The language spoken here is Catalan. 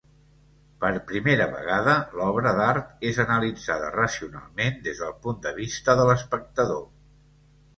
Per primera vegada, l'obra d'art és analitzada racionalment des del punt de vista de l'espectador.